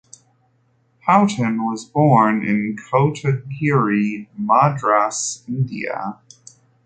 Houghton was born in Kotagiri, Madras, India.